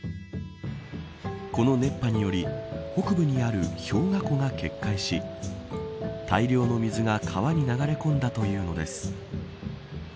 この熱波により北部にある氷河湖が決壊し大量の水が川に流れ込んだというのです。